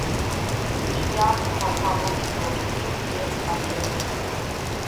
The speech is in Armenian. Տիրան թագաւորի որդին եւ յաջորդը։